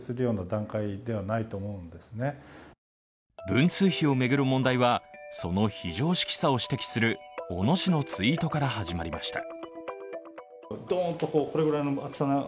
文通費を巡る問題はその非常識さを指摘する小野氏のツイートから始まりました。